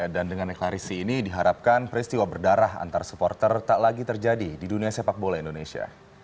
dan dengan deklarasi ini diharapkan peristiwa berdarah antar supporter tak lagi terjadi di dunia sepak bola indonesia